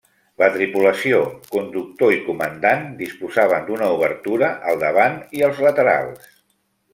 La tripulació, conductor i comandant, disposaven d'una obertura al davant i als laterals.